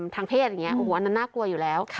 ทางเพศอย่างนี้โอ้โหอันนั้นน่ากลัวอยู่แล้ว